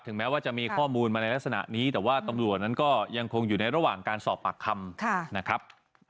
แม้ว่าจะมีข้อมูลมาในลักษณะนี้แต่ว่าตำรวจนั้นก็ยังคงอยู่ในระหว่างการสอบปากคำนะครับ